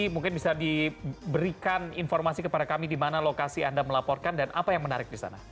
mungkin bisa diberikan informasi kepada kami di mana lokasi anda melaporkan dan apa yang menarik di sana